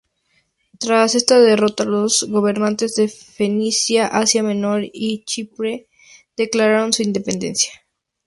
Tras esta derrota los gobernantes de Fenicia, Asia Menor y Chipre declararon su independencia.